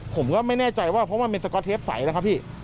ผมก็ไม่แน่ใจว่าเพราะมันเป็นสก๊อตเทปใสนะครับพี่